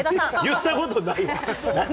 言ったことないわ。